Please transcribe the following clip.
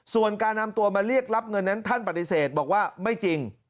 ส่วนการนำตัวมาเรียกรับเงินนั้นท่านปฏิเสธบอกว่าไม่จริง